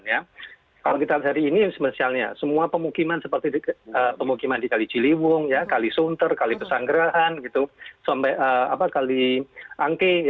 kalau kita lihat hari ini spesialnya semua pemukiman seperti pemukiman di kali ciliwung kali sunter kali pesanggerahan sampai kali angke